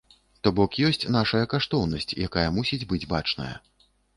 То бок ёсць нашая каштоўнасць, якая мусіць быць бачная.